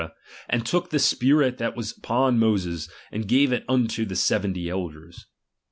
and took of the spirit that was upon Moses, and gave it unto the seventy elders.